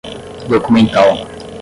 documental